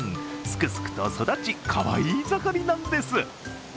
すくすくと育ち、かわいい盛りなんです。